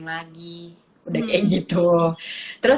lagi udah kayak gitu